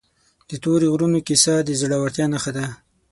د تورې غرونو کیسه د زړه ورتیا نښه ده.